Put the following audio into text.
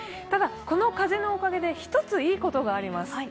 ただ、この風のおかげで一ついいことがあります。